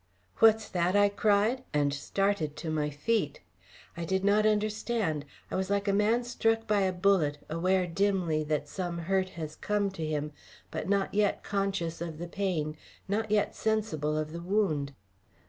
"What's that?" I cried, and started to my feet. I did not understand. I was like a man struck by a bullet, aware dimly that some hurt has come to him, but not yet conscious of the pain, not yet sensible of the wound.